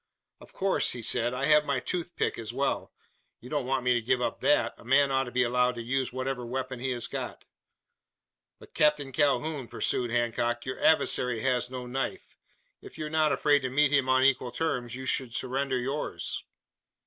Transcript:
"Of course," he said, "I have my toothpick as well. You don't want me to give up that? A man ought to be allowed to use whatever weapon he has got." "But, Captain Calhoun," pursued Hancock, "your adversary has no knife. If you are not afraid to meet him on equal terms you should surrender yours."